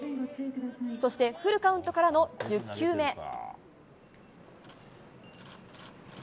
そしてフルカウントからの１０球目。